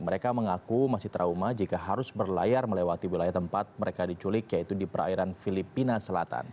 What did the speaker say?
mereka mengaku masih trauma jika harus berlayar melewati wilayah tempat mereka diculik yaitu di perairan filipina selatan